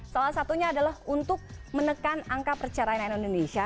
salah satunya adalah untuk menekan angka perceraian indonesia